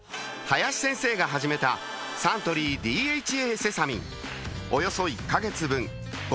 林先生が始めたサントリー「ＤＨＡセサミン」およそ１カ月分